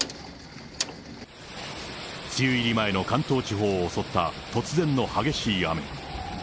梅雨入り前の関東地方を襲った突然の激しい雨。